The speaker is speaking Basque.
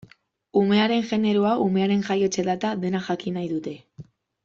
Umearen generoa, umearen jaiotze data, dena jakin nahi dute.